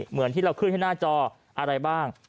เหมือนที่เราขึ้นให้หน้าจออะไรบ้าง